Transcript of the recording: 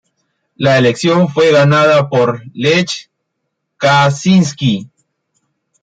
La elección fue ganada por Lech Kaczyński.